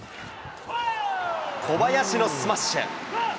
小林のスマッシュ。